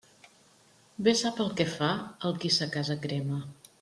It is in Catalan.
Bé sap el que fa el qui sa casa crema.